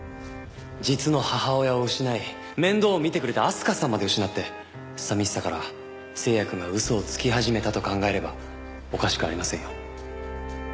実の母親を失い面倒を見てくれた明日香さんまで失って寂しさから星也くんが嘘をつき始めたと考えればおかしくありませんよ。